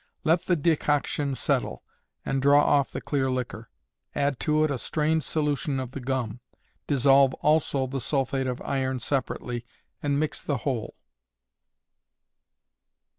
Let the decoction settle, and draw off the clear liquor; add to it a strained solution of the gum; dissolve also the sulphate of iron separately, and mix the whole.